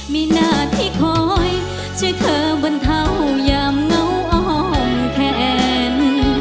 มีหน้าที่คอยช่วยเธอบรรเทายามเหงาอ้อมแขน